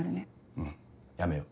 うんやめよう。